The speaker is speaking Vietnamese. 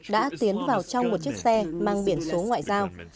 đã tiến vào trong một chiếc xe mang biển số ngoại giao